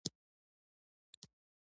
سرمايې شتمنۍ کنټرول ماليې وړانديز کوي.